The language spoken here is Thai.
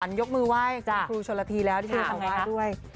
ทุกคนยกมือว่ายกับครูชวนละทีแล้วที่ช่วยทางอะไรด้วย